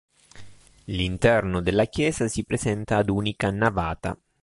L'interno della chiesa si presenta ad unica navata.